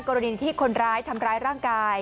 กรณีที่คนร้ายทำร้ายร่างกาย